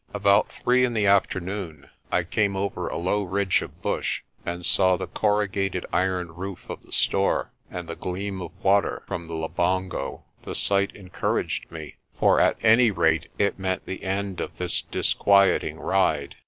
About three in the afternoon I came over a low ridge of bush and saw the corrugated iron roof of the store and the gleam of water from the Labongo. The sight encouraged me, for at my rate it meant the end of this disquieting ride.